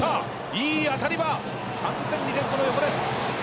いい当たりは完全にレフトの横です。